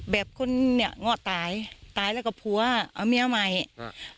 แบบคนเนี้ยงอดตายตายแล้วก็ผัวเอาเมียใหม่อ่า